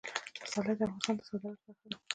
پسرلی د افغانستان د صادراتو برخه ده.